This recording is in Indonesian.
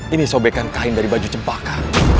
ini sobekan kain dari baju cempaka